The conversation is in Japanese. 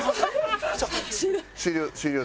終了？